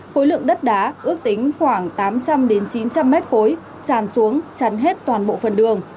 phối lượng đất đá ước tính khoảng tám trăm linh chín trăm linh m cối tràn xuống tràn hết toàn bộ phần đường